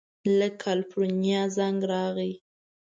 له کلیفورنیا زنګ راغی.